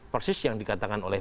persis yang dikatakan oleh